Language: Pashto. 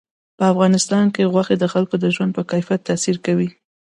په افغانستان کې غوښې د خلکو د ژوند په کیفیت تاثیر کوي.